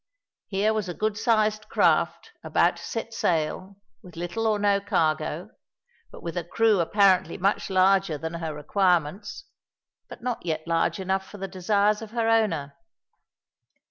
Here was a good sized craft about to set sail, with little or no cargo, but with a crew apparently much larger than her requirements, but not yet large enough for the desires of her owner.